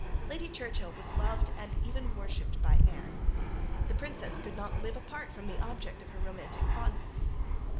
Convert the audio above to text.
Lady Churchill was loved and even worshipped by Anne. The Princess could not live apart from the object of her romantic fondness.